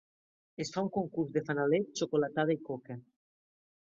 Es fa un concurs de fanalets, xocolatada i coca.